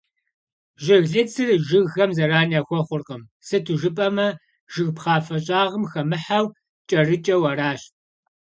Жыглыцыр жыгхэм зэран яхуэхъуркъым, сыту жыпӏэмэ, жыг пхъафэ щӏагъым хэмыхьэу, кӏэрыкӏэу аращ.